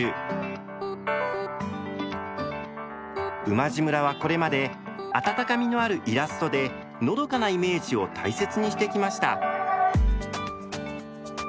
馬路村はこれまであたたかみのあるイラストでのどかなイメージを大切にしてきました。